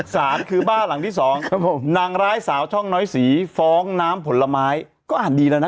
สารคือบ้านหลังที่สองครับผมนางร้ายสาวช่องน้อยสีฟ้องน้ำผลไม้ก็อ่านดีแล้วนะ